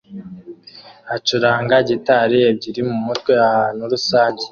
acuranga gitari ebyiri mumutwe ahantu rusange